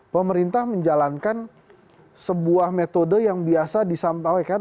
pemerintah menjalankan sebuah metode yang biasa disampaikan